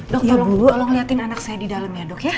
dokter tolong liatin anak saya di dalam ya dok ya